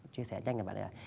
chia sẻ nhanh là